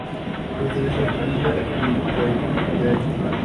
Pertenece a la familia Lycaenidae.